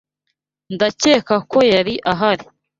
Nakekaga ko yari ahari.